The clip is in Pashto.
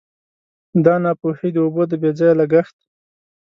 دا ناپوهي د اوبو د بې ځایه لګښت.